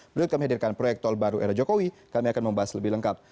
berikut kami hadirkan proyek tol baru era jokowi kami akan membahas lebih lengkap